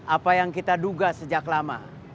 apa yang kita duga sejak lama